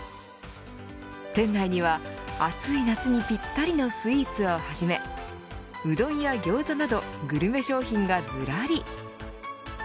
店内には、暑い夏にぴったりのスイーツをはじめうどんやギョーザなどグルメ商品がずらり。